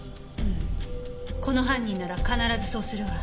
この犯人なら必ずそうするわ。